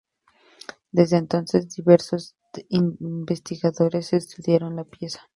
Desde entonces, diversos investigadores estudiaron la pieza.